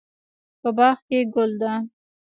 په باغ کې ګل ده